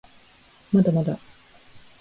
まだまだ